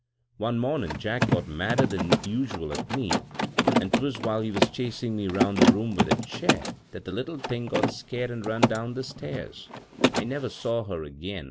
One momin' Jack got madder than usual at me, an' 'twas while he was chasin' me 'round the room with a chair that the litde thing got scared an' run down the stairs. I never saw her again.